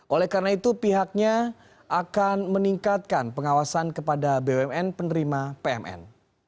oleh karena itu pihaknya akan meningkatkan pengawasan kepada bumn penerima pmn